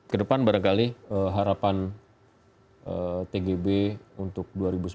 kedepan barangkali harapan tgb untuk dua ribu sembilan belas